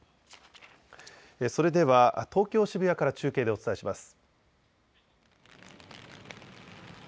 それでは東京渋谷から中継でお伝えします。